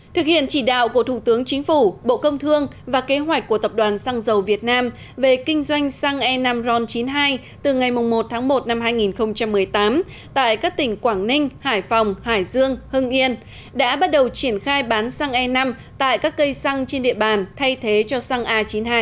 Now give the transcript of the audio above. thực hiện chỉ đạo của thủ tướng chính phủ bộ công thương và kế hoạch của tập đoàn xăng dầu việt nam về kinh doanh xăng e năm ron chín mươi hai từ ngày một tháng một năm hai nghìn một mươi tám tại các tỉnh quảng ninh hải phòng hải dương hưng yên đã bắt đầu triển khai bán xăng e năm tại các cây xăng trên địa bàn thay thế cho xăng a chín mươi hai